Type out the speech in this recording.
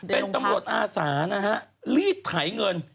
เป็นตำรวจอาสานะฮะรีดไถเงิน